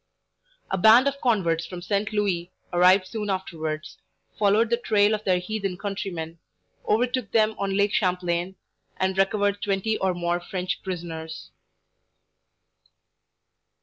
'" A band of converts from St. Louis arrived soon afterwards, followed the trail of their heathen countrymen, overtook them on Lake Champlain, and recovered twenty or more French prisoners.